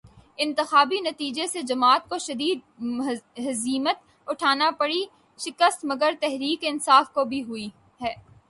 انتخابی نتیجے سے جماعت کو شدید ہزیمت اٹھانا پڑی، شکست مگر تحریک انصاف کو بھی ہوئی ہے۔